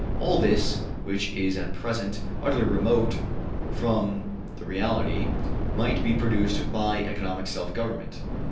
All this, which is at present utterly remote from the reality, might be produced by economic self government.